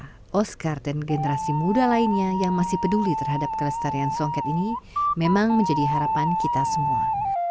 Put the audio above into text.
karena oscar dan generasi muda lainnya yang masih peduli terhadap kelestarian songket ini memang menjadi harapan kita semua